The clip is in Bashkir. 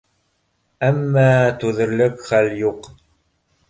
Әммә түҙерлек хәл юҡ.